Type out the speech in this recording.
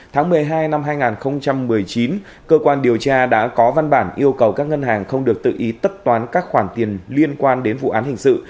tháng một mươi hai năm hai nghìn một mươi chín cơ quan điều tra đã có văn bản yêu cầu các ngân hàng không được tự ý tất toán các khoản tiền liên quan đến vụ án hình sự